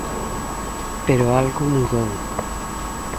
Pero algo mudou.